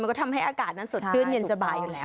ก็ทำให้อากาศนั้นสดชื่นเย็นสบายอยู่แล้ว